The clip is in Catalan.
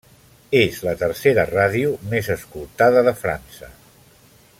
És la tercera ràdio més escoltada de França.